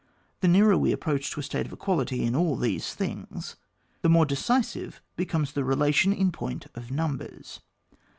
The nearer we approach to a state of equality in all these things, the more decisive becomes the relation in point of numbers.